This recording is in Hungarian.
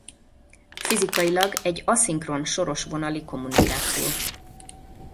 Fizikailag egy aszinkron soros vonali kommunikáció.